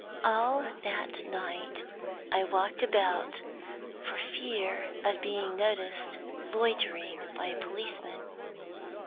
"All that night I walked about, for fear of being noticed loitering by a policeman.